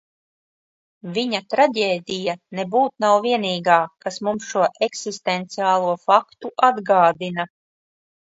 Viņa traģēdija nebūt nav vienīgā, kas mums šo eksistenciālo faktu atgādina.